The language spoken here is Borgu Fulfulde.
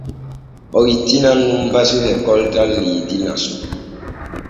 O wittinan nun basu e koltal liidi nasu.